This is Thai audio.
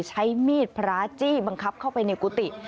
ใช้มีดพระจี้บังคับเข้าไปในกุฏิ